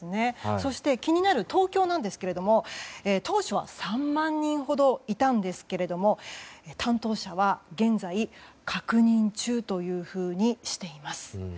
そして気になる東京ですが当初は３万人ほどいたんですが担当者は現在確認中というふうにしています。